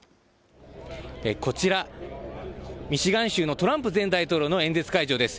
こちらミシガン州のトランプ前大統領の演説会場です。